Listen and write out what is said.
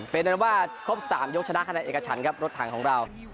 เป็นแบบว่าครบ๓๔ยกชนะผ่านได้เอกชันครับรถถังของเรา